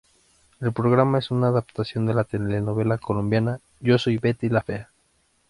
El programa es una adaptación de la telenovela colombiana "Yo soy Betty La Fea".